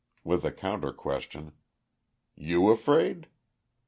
with a counter question: "You afraid?"